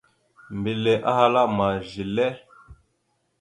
Mbelle ahala: « Ma zelle? ».